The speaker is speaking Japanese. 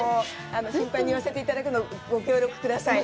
頻繁に寄せていただくの、ご協力ください。